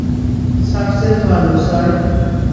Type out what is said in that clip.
Success বালু, sir.